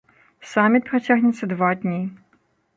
Саміт працягнецца два дні.